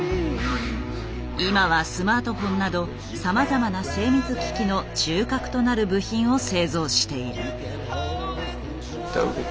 今はスマートフォンなどさまざまな精密機器の中核となる部品を製造している。